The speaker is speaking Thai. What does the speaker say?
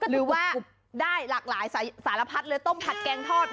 หรือว่าได้หลากหลายสารพัดเลยต้มผัดแกงทอด